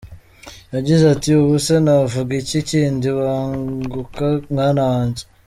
Yagize ati “Ubuse navuga iki kindi! Banguka mwana wanjye.